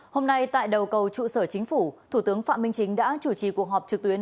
hôm nay tại đầu cầu trụ sở chính phủ thủ tướng phạm minh chính đã chủ trì cuộc họp trực tuyến